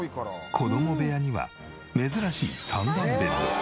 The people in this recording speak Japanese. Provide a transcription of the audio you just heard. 子供部屋には珍しい３段ベッド。